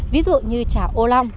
ví dụ như trà ô long